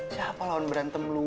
siapa lawan berantem lu